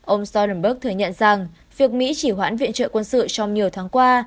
ông stolg thừa nhận rằng việc mỹ chỉ hoãn viện trợ quân sự trong nhiều tháng qua